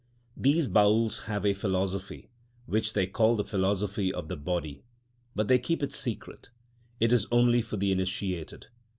These Baüls have a philosophy, which they call the philosophy of the body; but they keep its secret; it is only for the initiated.